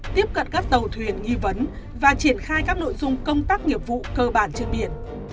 tiếp cận các tàu thuyền nghi vấn và triển khai các nội dung công tác nghiệp vụ cơ bản trên biển